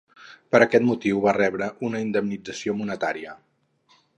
Per aquest motiu va rebre una indemnització monetària.